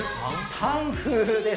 パン風です。